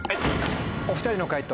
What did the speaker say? お２人の解答